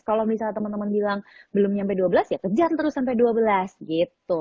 kalau misalnya teman teman bilang belum sampai dua belas ya kejar terus sampai dua belas gitu